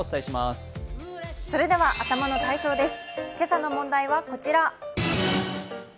それでは、頭の体操です。